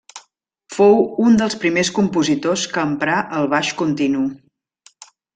Fou un dels primers compositors que emprà el baix continu.